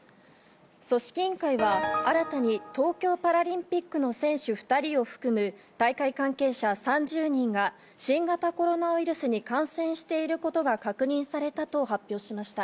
組織委員会は、新たに東京パラリンピックの選手２人を含む大会関係者３０人が、新型コロナウイルスに感染していることが確認されたと発表しました。